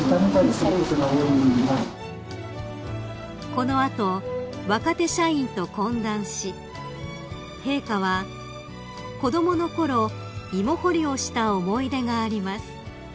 ［この後若手社員と懇談し陛下は「子供のころ芋掘りをした思い出があります」